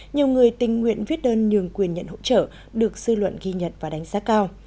nhiều người tình nguyện viết đơn nhường quyền nhận hỗ trợ được sư luận ghi nhận và đánh giá cao